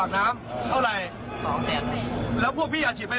มึงมึงพยายามชิบหายแล้วมึงดูต่อจอนี้เนี่ย